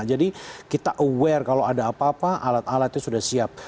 jadi kita aware kalau ada apa apa alat alatnya sudah siap